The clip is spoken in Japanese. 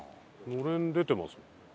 のれん出てますもんね。